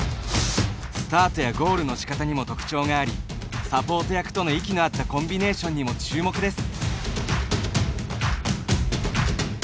スタートやゴールのしかたにも特徴がありサポート役との息の合ったコンビネーションにも注目です。